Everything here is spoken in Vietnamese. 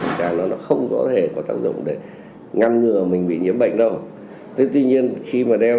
khẩu trang đó nó không có thể có tác dụng để ngăn ngừa mình bị nhiễm bệnh đâu tuy nhiên khi mà đeo